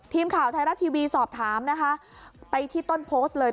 ทีมข่าวไทยรัฐทีวีสอบถามนะคะไปที่ต้นโพสต์เลย